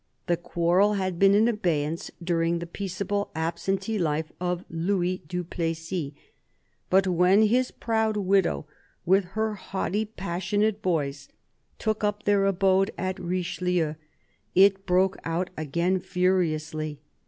The quarrel had been in abeyance during the peaceable, absentee life of Louis du Plessis, but when his proud widow, with her haughty, passionate boys, took up her abode at Richelieu, it broke out again furiously.